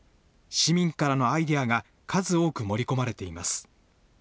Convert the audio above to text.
市民からのアイデアが数多く盛り込まれています。